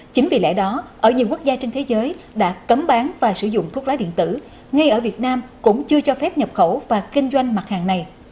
chính vì lẽ đó ở nhiều quốc gia trên thế giới đã cấm bán và sử dụng thuốc lá điện tử ngay ở việt nam cũng chưa cho phép nhập khẩu và kinh doanh mặt hàng này